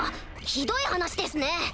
ひどい話ですね。